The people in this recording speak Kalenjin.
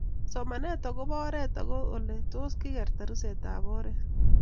somanet agoba oret ago oletos kegerta rusetab oret